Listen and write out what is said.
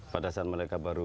pada saat mereka baru